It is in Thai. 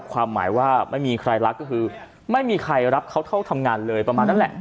ความหมายว่าไม่มีใครรักก็คือไม่มีใครรับเขาเข้าทำงานเลยประมาณนั้นแหละ